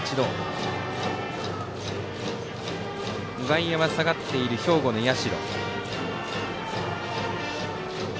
外野は下がっている兵庫の社。